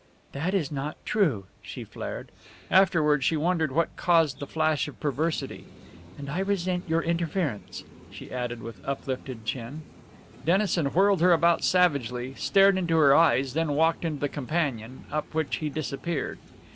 "That is not true!" she flared. Afterward she wondered what caused the flash of perversity. "And I resent your inference!" she added with uplifted chin. Dennison whirled her about savagely, stared into her eyes, then walked to the companion, up which he disappeared.